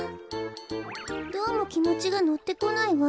どうもきもちがのってこないわ。